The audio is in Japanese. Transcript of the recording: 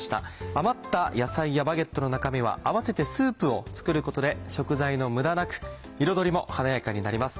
余った野菜やバゲットの中身は合わせてスープを作ることで食材の無駄なく彩りも華やかになります。